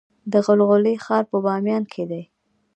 د غلغلې ښار په بامیان کې دی